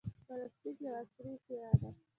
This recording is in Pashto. پلاستيک یو عصري اختراع ده.